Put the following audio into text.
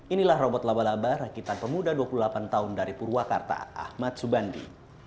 inilah robot laba laba rakitan pemuda dua puluh delapan tahun dari purwakarta ahmad subandi